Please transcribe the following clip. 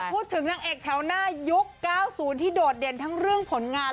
พูดถึงนางเอกแถวหน้ายุค๙๐ที่โดดเด่นทั้งเรื่องผลงาน